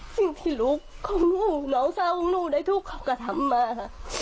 สิ่งที่รู้คงร้องเศร้าของนู่นได้ทุกข์เขากระทำมา